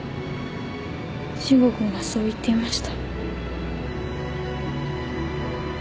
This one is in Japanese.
伸吾君はそう言っていました。